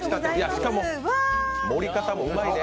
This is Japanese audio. しかも、盛り方もうまいね。